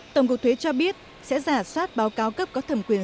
tổng cục thuế cho biết sẽ giả soát báo cáo cấp có thẩm quyền